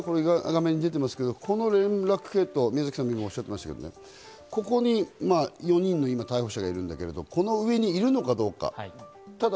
画面に出ていますが、この連絡系統、宮崎さんもおっしゃってましたけど、ここに４人の逮捕者がいますが、この上にいるのかどうか。